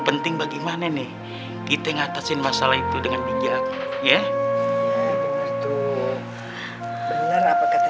penting bagaimana nih kita ngatasin masalah itu dengan bijak ya itu benar apa kata